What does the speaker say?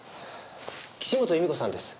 岸本由美子さんです。